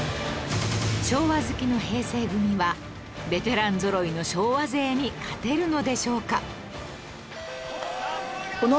昭和好きの平成組はベテランぞろいの昭和勢に勝てるのでしょうか？